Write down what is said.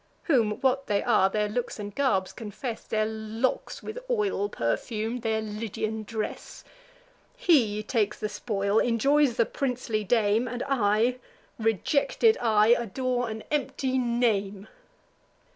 (Whom, what they are, their looks and garb confess, Their locks with oil perfum'd, their Lydian dress.) He takes the spoil, enjoys the princely dame; And I, rejected I, adore an empty name."